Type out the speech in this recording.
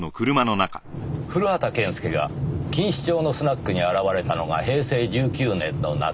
古畑健介が錦糸町のスナックに現れたのが平成１９年の夏。